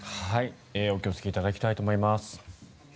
お気をつけいただきたいと思います。